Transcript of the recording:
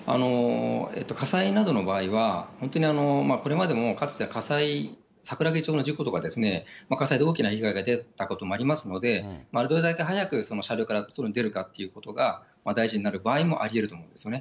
火災などの場合は、本当にこれまでもかつて火災、桜木町の事故とか、火災で大きな被害が出たこともありますので、どれだけ早く車両から外に出るかっていうことが大事になる場合もありえると思うんですよね。